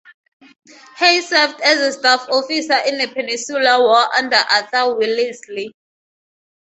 Hay served as a staff officer in the Peninsular War under Arthur Wellesley.